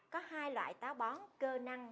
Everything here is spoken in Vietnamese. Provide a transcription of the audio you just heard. có hai loại táo bón cơ năng